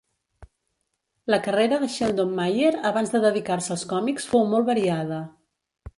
La carrera de Sheldon Mayer abans de dedicar-se als còmics fou molt variada.